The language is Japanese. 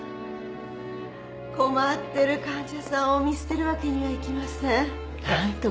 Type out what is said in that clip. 困ってる患者さんを見捨てるわけにはいきません。